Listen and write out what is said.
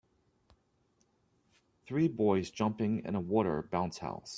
Three boys jumping in a water bounce house.